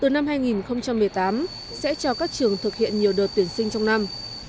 từ năm hai nghìn một mươi tám sẽ cho các trường thực hiện nhiều đợt tuyển sinh trong năm